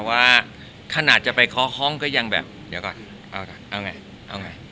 ว่าขนาดจะไปข้อห้องก็ยังแบบเดี่ยวก่อนเอาไงเอาไง